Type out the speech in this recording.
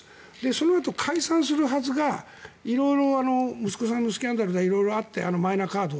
そのあと解散するはずが色々、息子さんのスキャンダルで色々あってマイナカード。